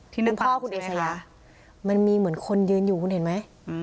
คุณพ่อคุณเอชยะมันมีเหมือนคนยืนอยู่คุณเห็นไหม